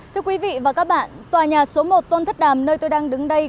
thưa quý vị và các bạn tòa nhà số một tôn thất đàm nơi tôi đang đứng đây